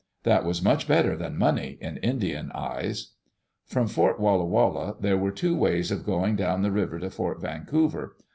That was much better than money, in Indian eyes. From Fort Walla Walla there were two ways of going down the river to Fort Vancouver.